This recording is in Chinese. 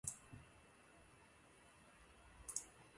广州起义部队中有中国共产党领导的教导团的一个炮兵连。